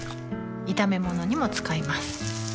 炒め物にも使います